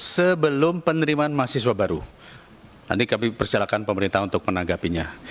sebelum penerimaan mahasiswa baru nanti kami persilahkan pemerintah untuk menanggapinya